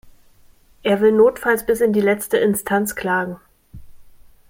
Er will notfalls bis in die letzte Instanz klagen.